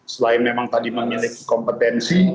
selain memang tadi memiliki kompetensi